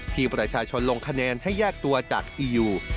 ที่ประชาชนลงคะแนนให้แยกตัวจากอียู